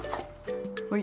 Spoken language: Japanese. はい。